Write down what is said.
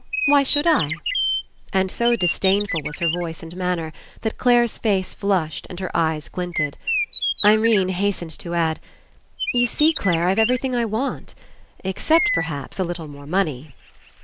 Why should I?" And so disdainful was her voice and manner that Clare's face flushed and her eyes glinted. Irene hastened to add: "You see, 43 PASSING Clare, I've everything I want. Except, perhaps, a little more money."